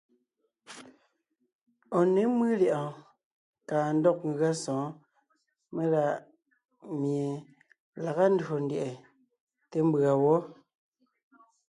Ɔ̀ ně mʉ́ lyɛ̌ʼɔɔn káa ndɔg ngʉa sɔ̌ɔn melaʼmie laga ndÿò ndyɛʼɛ té mbʉ̀a wɔ́.